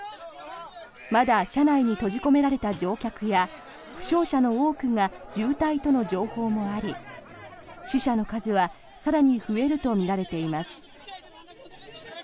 まだ車内に閉じ込められた乗客や負傷者の多くが重体との情報もあり死者の数は更に増えるとみられています。